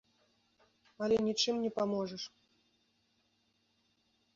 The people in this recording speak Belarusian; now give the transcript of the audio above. Але нічым не паможаш.